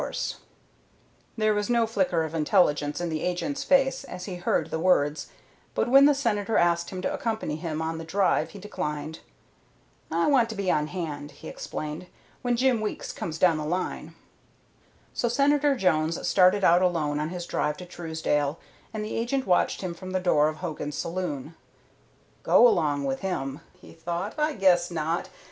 There was no flicker of intelligence in the agent's face as he heard the words, but when the Senator asked him to accompany him on the drive he declined. "I want to be on hand," he explained, "when Jim Weeks comes down the line." So Senator Jones started out alone on his drive to Truesdale, and the agent watched him from the door of Hogan's saloon. "Go along with him!" he thought. "I guess not.